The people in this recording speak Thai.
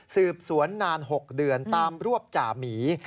สืบสวนนาน๖เดือนตามรวบจ่าหมี